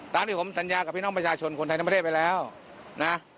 ตามที่ผมสัญญากับพี่น้องประชาชนคนไทยทั้งประเทศไปแล้วนะ